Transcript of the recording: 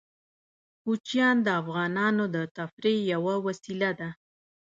کوچیان د افغانانو د تفریح یوه وسیله ده.